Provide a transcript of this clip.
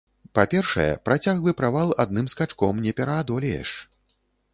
Па-першае, працяглы правал адным скачком не пераадолееш.